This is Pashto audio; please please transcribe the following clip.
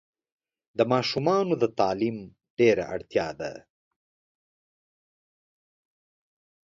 د ماشومانو تعلیم ډېره اړتیا ده.